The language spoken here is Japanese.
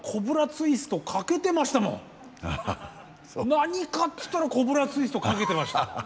何かっつったらコブラツイストかけてました。